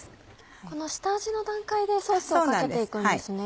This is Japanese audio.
この下味の段階でソースをかけて行くんですね。